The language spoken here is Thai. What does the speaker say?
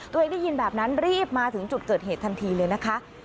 ได้ยินแบบนั้นรีบมาถึงจุดเกิดเหตุทันทีเลยนะคะ